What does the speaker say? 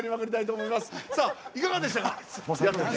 いかがでしたか？